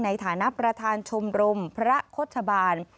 ในฐานะประธานชมรมพระโฆษบาล